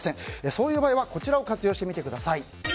そういう場合はこちらを活用してみてください。